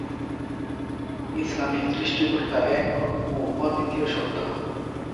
ইসলামে সৃষ্টিকর্তা এক ও অদ্বিতীয় সত্ত্বা।